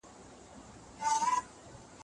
د تجربه لرونکي استاد لارښوونه روښانه وي.